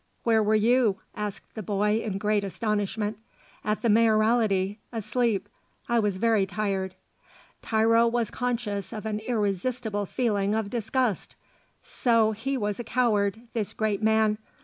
"Where were you?" asked the boy in great astonishment. "At the Mayoralty, asleep; I was very tired." Tiro was conscious of an irresistible feeling of disgust. So he was a coward, this great man.